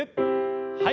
はい。